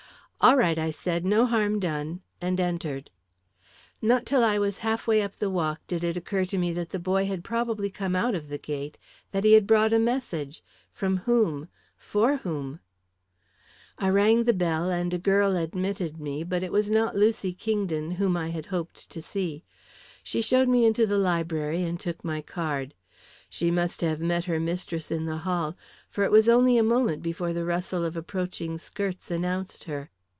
"All right," I said. "No harm done," and entered. Not till I was half way up the walk, did it occur to me that the boy had probably come out of the gate that he had brought a message from whom? for whom? I rang the bell, and a girl admitted me; but it was not Lucy Kingdon, whom I had hoped to see. She showed me into the library, and took my card. She must have met her mistress in the hall, for it was only a moment before the rustle of approaching skirts announced her.